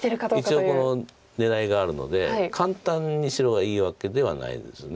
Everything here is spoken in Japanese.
一応この狙いがあるので簡単に白がいいわけではないです。